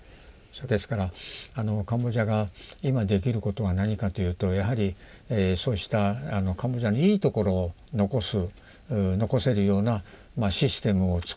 ですからカンボジアが今できることは何かというとやはりそうしたカンボジアのいいところを残す残せるようなシステムをつくる。